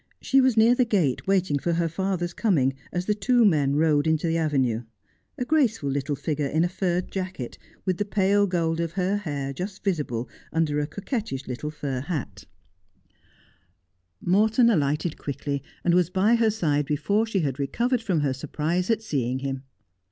She was near the gate waiting for her father's coming as the two men rode into the avenue, a graceful little figure in a furred jacket, with the pale gold of her hair just visible under a coquettish little fur hat. Gi Just as I Am. Morton alighted quickly, and was by her side before she had recovered from her surprise at seeing him.